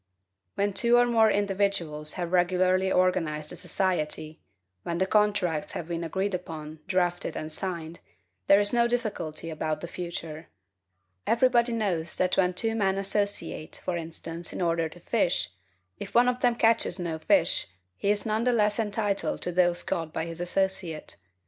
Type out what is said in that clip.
When two or more individuals have regularly organized a society, when the contracts have been agreed upon, drafted, and signed, there is no difficulty about the future. Everybody knows that when two men associate for instance in order to fish, if one of them catches no fish, he is none the less entitled to those caught by his associate.